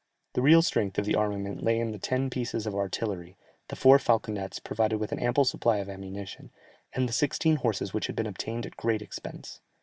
The real strength of the armament lay in the ten pieces of artillery, the four falconets provided with an ample supply of ammunition, and the sixteen horses which had been obtained at great expense.